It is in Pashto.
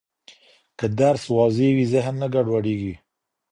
که درس واضح وي، ذهن نه ګډوډېږي.